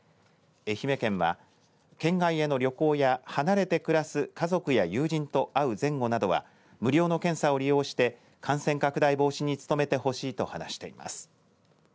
県は県外への旅行や離れて暮らす家族や友人と会う前後などは無料の検査を利用して感染拡大防止に努めてほしいと話しています。